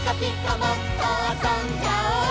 もっとあそんじゃおう！」